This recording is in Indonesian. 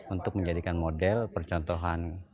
untuk menjadikan model percontohan